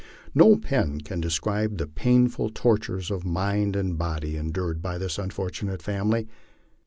No pen can describe the painful tortures of mind and body endured by this unfortunate family.